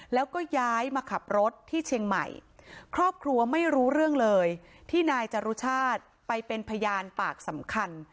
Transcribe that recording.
แล้วก็ย้ายมาขับรถที่เชียงใหม่ครอบครัวไม่รู้เรื่องเลยที่นายจรุชาติไปเป็นพยานปากสำคัญ